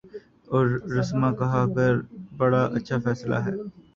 اور رسما کہا کہ بڑا اچھا فیصلہ ہے۔